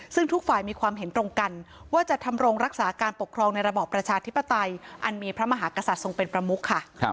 ซึ่งทุกฝ่ายมีความเห็นตรงกันว่าจะทำรงรักษาการปกครองในระบอบประชาธิปไตยอันมีพระมหากษัตริย์ทรงเป็นประมุกค่ะ